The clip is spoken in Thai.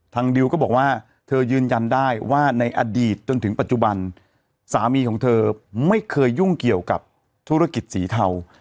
ดิวก็บอกว่าเธอยืนยันได้ว่าในอดีตจนถึงปัจจุบันสามีของเธอไม่เคยยุ่งเกี่ยวกับธุรกิจสีเทา